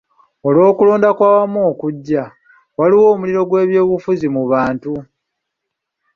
Olw'okulonda okw'awamu okujja, waliwo omuliro gw'ebyobufuzi mu bantu.